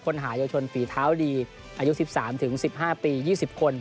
หายาวชนฝีเท้าดีอายุ๑๓๑๕ปี๒๐คน